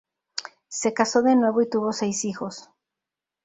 Se casó de nuevo y tuvo seis hijos.